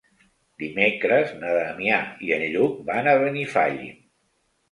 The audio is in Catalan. Dimecres na Damià i en Lluc van a Benifallim.